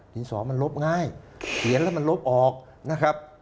ที่สองมันลบง่ายเขียนแล้วมันลบออกนะครับ